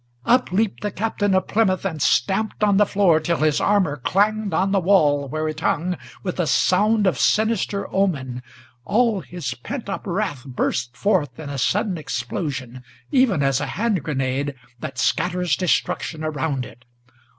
Up leaped the Captain of Plymouth, and stamped on the floor, till his armor Clanged on the wall, where it hung, with a sound of sinister omen. All his pent up wrath burst forth in a sudden explosion, Even as a hand grenade, that scatters destruction around it.